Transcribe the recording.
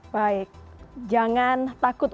baik jangan takut